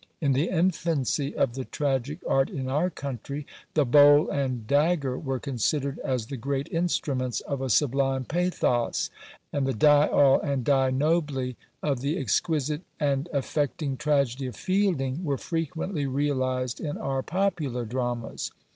In the infancy of the tragic art in our country, the bowl and dagger were considered as the great instruments of a sublime pathos; and the "Die all" and "Die nobly" of the exquisite and affecting tragedy of Fielding were frequently realised in our popular dramas.